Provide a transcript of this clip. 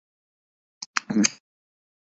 کھانا پسند کرتا ہوں